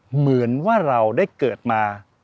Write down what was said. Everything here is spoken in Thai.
เหมือนว่าเราได้เกิดมา